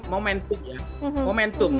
momentum ya momentum